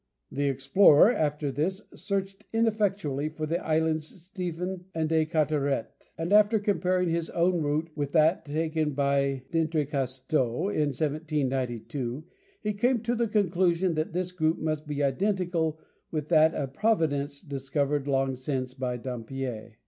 The explorer, after this, searched ineffectually for the islands Stephen and De Carteret, and after comparing his own route with that taken by D'Entrecasteaux in 1792, he came to the conclusion that this group must be identical with that of Providence, discovered long since by Dampier.